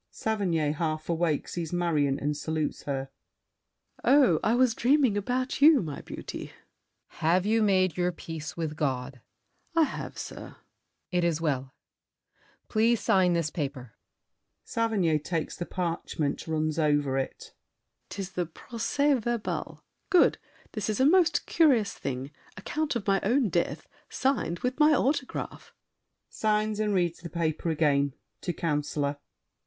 SAVERNY (half awake: sees Marion and salutes her). Oh, I was dreaming About you, my beauty! COUNCILOR. Have you made Your peace with God? SAVERNY. I have, sir. COUNCILOR. It is well. Please sign this paper! SAVERNY (takes the parchment, runs over it). 'Tis the procès verbal. Good! This is a most curious thing—account Of my own death, signed with my autograph! [Signs, and reads the paper again: to Councilor.